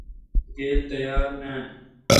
گیل تیار نان۔